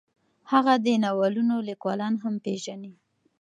هغه د ناولونو لیکوالان هم پېژني.